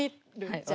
じゃあ。